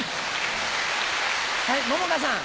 はい桃花さん。